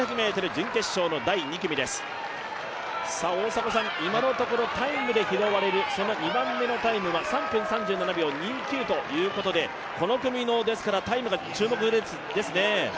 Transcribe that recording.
大迫さん、今のところタイムで拾われる２番目のタイムは３分３７秒２９ということで、この組のタイムが注目ですね。